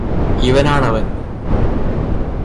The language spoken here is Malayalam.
ഇവനാണവന്